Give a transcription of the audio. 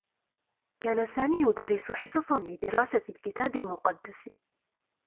كان سامي يدرّس حصصا لدراسة الكتاب المقدّس.